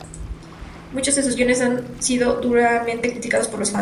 Muchos de sus guiones han sido duramente criticados por los fans.